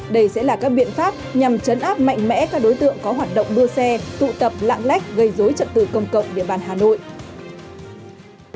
đây sẽ là các biện pháp nhằm chấn áp mạnh mẽ các đối tượng có hoạt động đua xe tụ tập lạng lách gây dối trật tự công cộng địa bàn hà nội